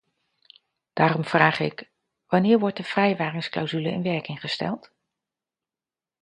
Daarom vraag ik: wanneer wordt de vrijwaringsclausule in werking gesteld?